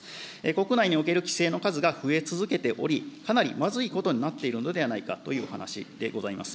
国内による規制の数が増え続けており、かなりまずいことになっているのではないかという話でございます。